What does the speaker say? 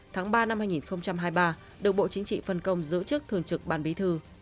tháng ba năm hai nghìn hai mươi ba được bộ chính trị phân công giữ chức thường trực ban bí thư